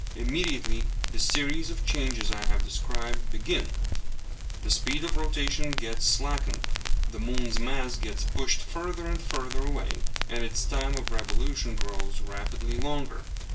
Immediately the series of changes I have described begins, the speed of rotation gets slackened, the moon's mass gets pushed further and further away, and its time of revolution grows rapidly longer.